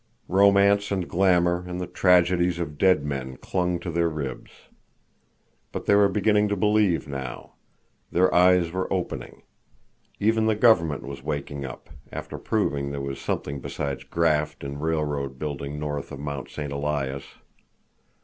Romance and glamor and the tragedies of dead men clung to their ribs. But they were beginning to believe now. Their eyes were opening. Even the Government was waking up, after proving there was something besides graft in railroad building north of Mount St. Elias.